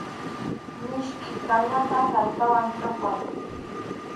Miskʼi kañata kallpawan chʼunqay.